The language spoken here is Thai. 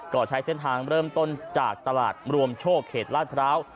ก็ใช้เส้นทางเริ่มต้นจากตลาดรวมโชคเขตลาดพร้าว